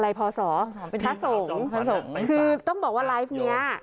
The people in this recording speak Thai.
อะไรพอสอถ้าส่งคือต้องบอกว่าไลฟ์เนี้ย